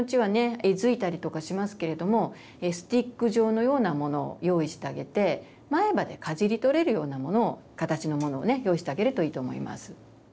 えずいたりとかしますけれどもスティック状のようなものを用意してあげて前歯でかじり取れるようなものを形のものをね用意してあげるといいと思います。